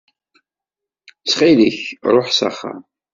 Ttxil-k ruḥ s axxam.